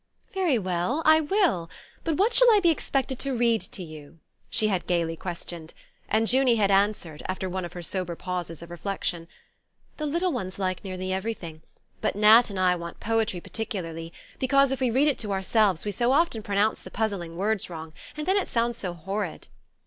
"Very well I will! But what shall I be expected to read to you?" she had gaily questioned; and Junie had answered, after one of her sober pauses of reflection: "The little ones like nearly everything; but Nat and I want poetry particularly, because if we read it to ourselves we so often pronounce the puzzling words wrong, and then it sounds so horrid."